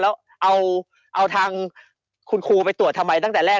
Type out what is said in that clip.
แล้วเอาทางคุณครูไปตรวจทำไมตั้งแต่แรก